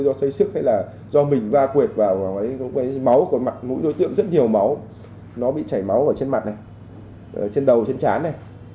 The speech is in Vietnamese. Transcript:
do xây xước hay là do mình va quyệt vào máu của mũi đối tượng rất nhiều máu nó bị chảy máu ở trên mặt này trên đầu trên trán này